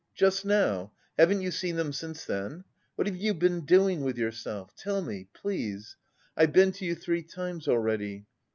"Just now. Haven't you seen them since then? What have you been doing with yourself? Tell me, please. I've been to you three times already.